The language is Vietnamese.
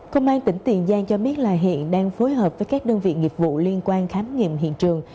công an tỉnh tiền giang cho biết là hiện đang phối hợp với các đơn vị nghiệp vụ liên quan khám nghiệm hiện trường